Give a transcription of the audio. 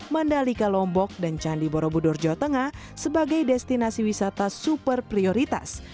mandalika lombok dan candi borobudur jawa tengah sebagai destinasi wisata super prioritas